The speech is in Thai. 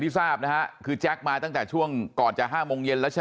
ทราบนะฮะคือแจ๊คมาตั้งแต่ช่วงก่อนจะ๕โมงเย็นแล้วใช่ไหม